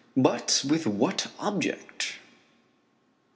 But with what object?